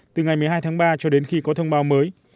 từ ngày một mươi hai tháng ba cho đến khi có thông báo mới